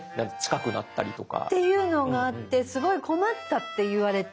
近くなったりとか。っていうのがあってすごい困ったって言われて。